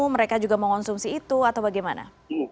mereka juga mau konsumsi itu atau bagaimana